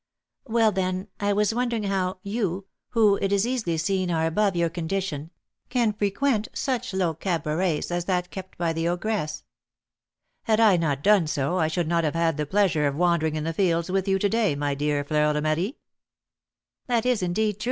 "Well, then, I was wondering how you, who, it is easily seen, are above your condition, can frequent such low cabarets as that kept by the ogress." "Had I not done so, I should not have had the pleasure of wandering in the fields with you to day, my dear Fleur de Marie." "That is, indeed, true, M.